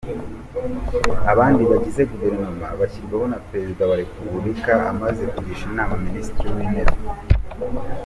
Abandi bagize Guverinoma bashyirwaho na Perezida wa Repubulika amaze kugisha inama Minisitiri w’Intebe.